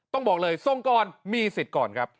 ต้องบอกเลยทรงกรมีสิทธิ์ก่อนครับ